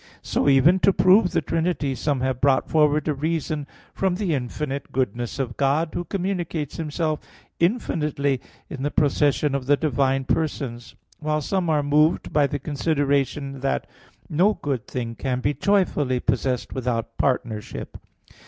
So even to prove the Trinity some have brought forward a reason from the infinite goodness of God, who communicates Himself infinitely in the procession of the divine persons; while some are moved by the consideration that "no good thing can be joyfully possessed without partnership."